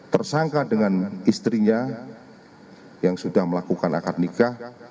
tersangka dengan istrinya yang sudah melakukan akad nikah